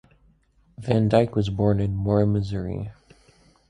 Van Dyke was born in Mora, Missouri.